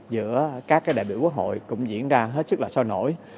giữa các đại biểu quốc hội cũng diễn ra hết sức là sôi nổi